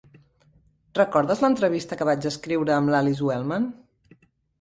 Recordes l'entrevista que vaig escriure amb l'Alice Wellman?